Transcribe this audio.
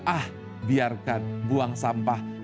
ah biarkan buang sampah